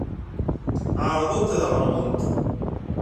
Ɛerḍent ad aɣ-nɣent.